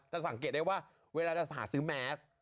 สังเกตได้ว่าเวลาจะหาซื้อแมส